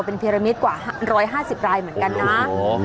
เป็นพิรมิตกว่า๑๕๐รายเหมือนกันนะ